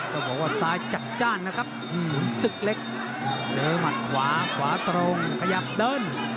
ต้องบอกว่าซ้ายจัดจ้านนะครับขุนศึกเล็กเจอหมัดขวาขวาตรงขยับเดิน